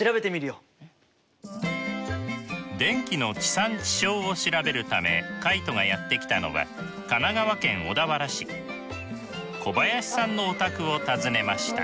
電気の地産地消を調べるためカイトがやって来たのは小林さんのお宅を訪ねました。